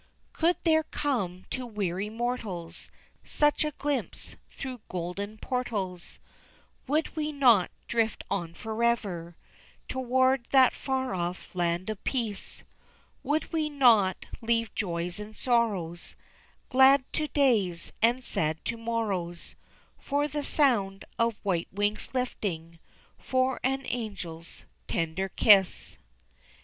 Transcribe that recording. Could there come to weary mortals Such a glimpse through golden portals, Would we not drift on forever, Toward that far off land of peace; Would we not leave joys and sorrows, Glad to days, and sad to morrows, For the sound of white wings lifting, For an angel's tender kiss.